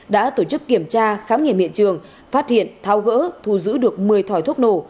đã tổ chức kiểm tra khám nghiệm hiện trường phát hiện thao gỡ thu giữ được một mươi thỏi thuốc nổ